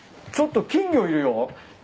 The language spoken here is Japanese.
ちょっと金魚いるよ。